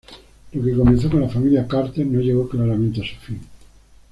Lo que comenzó con la familia Carter, no llegó claramente a su fin.